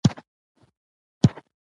سړک ته باید درناوی وشي.